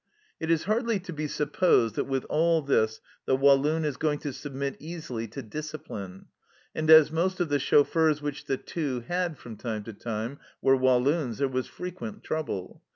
It is hardly to be supposed that with all this the Walloon is going to submit easily to discipline, and as most of the chauffeurs which the Two had from time to time were Walloons, there was frequent trouble.